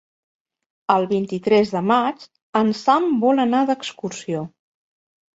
El vint-i-tres de maig en Sam vol anar d'excursió.